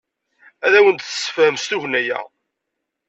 Ad awen-d-tessefhem s tugna-a.